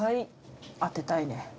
当てたいね。